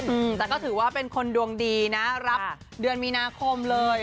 อืมแต่ก็ถือว่าเป็นคนดวงดีนะรับเดือนมีนาคมเลย